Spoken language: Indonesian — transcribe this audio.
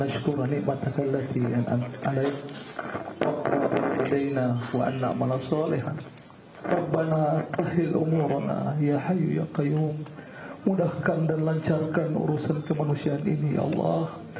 semoga tuhan melancarkan urusan kemanusiaan ini ya allah